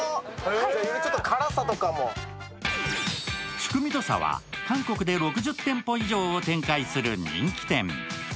チュクミドサは韓国で６０店舗以上を展開する人気店。